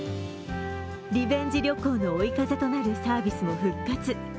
リベンジ旅行の追い風となるサービスも復活。